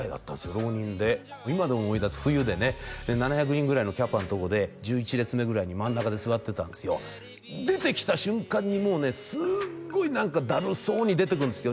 浪人で今でも思い出す冬でね７００人ぐらいのキャパのとこで１１列目ぐらいに真ん中で座ってたんですよ出てきた瞬間にもうねすっごい何かだるそうに出てくるんですよ